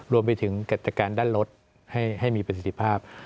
รวมไปถึงกฎการด้านรถให้มีประสิทธิภาพ